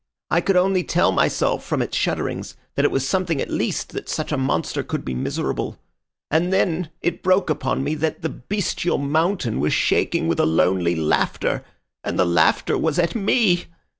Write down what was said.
I could only tell myself, from its shudderings, that it was something at least that such a monster could be miserable. And then it broke upon me that the bestial mountain was shaking with a lonely laughter, and the laughter was at me.